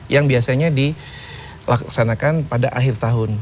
yang biasanya dilaksanakan pada akhir tahun